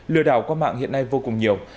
lừa đảo qua mạng hiện nay vô cùng nhiều